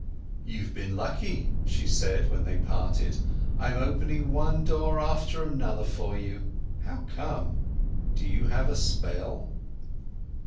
"You've been lucky," she said when they parted, "I'm opening one door after another for you. How come? Do you have a spell?"